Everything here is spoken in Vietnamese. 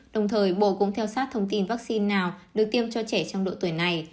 đồng thời bộ cũng theo sát thông tin vaccine nào được tiêm cho trẻ trong độ tuổi này